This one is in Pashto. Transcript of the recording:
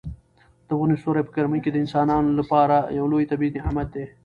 د ونو سیوری په ګرمۍ کې د انسان لپاره یو لوی طبیعي نعمت دی.